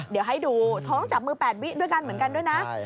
เดี๋ยวให้ดูท้องจับมือ๘วิด้วยกันเหมือนกันด้วยนะ